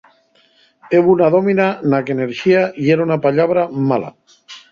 Hebo una dómina na qu'«enerxía» yera una pallabra mala.